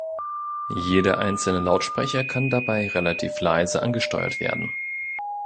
Jeder einzelne Lautsprecher kann dabei relativ leise angesteuert werden.